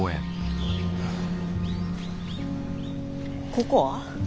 ここは？